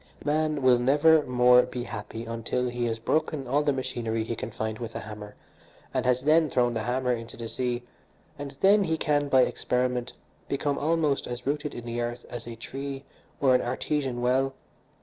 Man will never more be happy until he has broken all the machinery he can find with a hammer, and has then thrown the hammer into the sea; and then he can, by experiment, become almost as rooted in the earth as a tree or an artesian well.